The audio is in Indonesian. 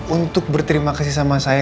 untuk berterima kasih sama saya